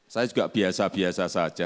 saya juga biasa biasa saja